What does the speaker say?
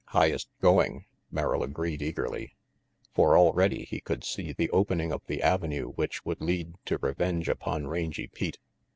"Highest going," Merrill agreed eagerly, for already he could see the opening of the avenue which would lead to revenge upon Rangy Pete.